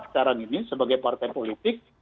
sekarang ini sebagai partai politik